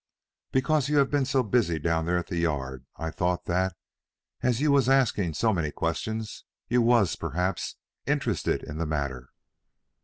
"Because you have been so busy down there at the Yard, I thought that, as you was asking so many questions, you was, perhaps, interested in the matter."